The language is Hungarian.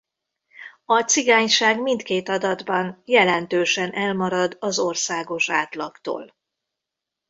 A cigányság mindkét adatban jelentősen elmarad az országos átlagtól.